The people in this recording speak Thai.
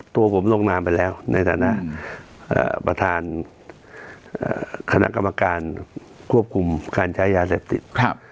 ตัวผมลงนามไปแล้วในฐานะประธานคณะกรรมการควบคุมการใช้ยาเสพติด